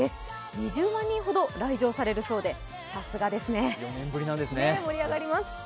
２０万人ほど来場されるそうでさすがですね、盛り上がります。